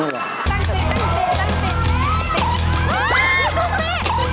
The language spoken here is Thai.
เฮ่ยลูกลิ